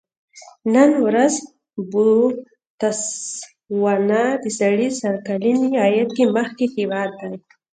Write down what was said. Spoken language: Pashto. نن ورځ بوتسوانا د سړي سر کلني عاید کې مخکې هېواد دی.